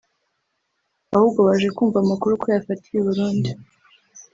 ahubwo baje kumva amakuru ko yafatiwe i Burundi